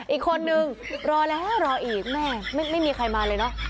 อีกคนนึงรอแล้วรออีกแม่ไม่มีใครมาเลยเนอะ